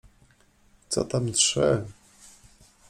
Co tam trzy!